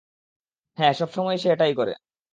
হ্যাঁ, সবসময় সে এটাই করে।